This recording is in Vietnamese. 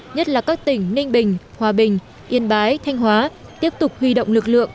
nhất là các tỉnh ninh bình hòa bình yên bái thanh hóa tiếp tục huy động lực lượng